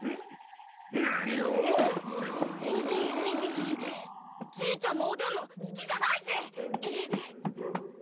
なにを⁉じいちゃんのおでんもすきじゃないし！